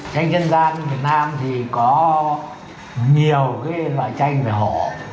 tranh dân gian việt nam thì có nhiều loại tranh về hổ